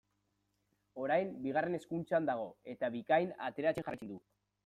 Orain Bigarren Hezkuntzan dago eta Bikain ateratzen jarraitzen du.